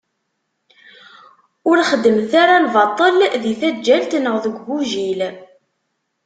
Ur xeddmet ara lbaṭel di taǧǧalt neɣ deg ugujil.